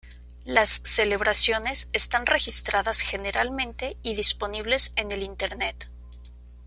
Las celebraciones están registradas generalmente y disponibles en el Internet.